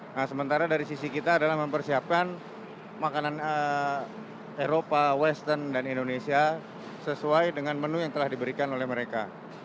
nah sementara dari sisi kita adalah mempersiapkan makanan eropa western dan indonesia sesuai dengan menu yang telah diberikan oleh mereka